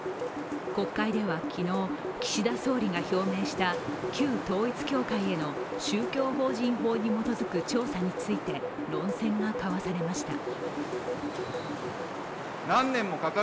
国会では昨日、岸田総理が表明した旧統一教会への宗教法人法に基づく調査について論戦が交わされました。